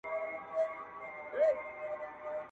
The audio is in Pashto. هوښيارانو دي راوړي دا نكلونه؛